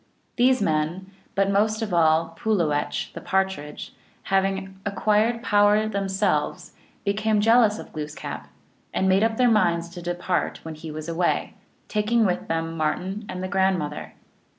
These men, but most of all Pulowech, the Partridge, having acquired power themselves, became jealous of Glooskap, and made up their minds to depart when he was away, taking with them Martin and the grand mother.